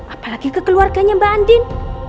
apalagi ke keluarganya mbak andin